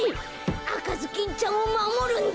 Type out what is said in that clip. あかずきんちゃんをまもるんだ。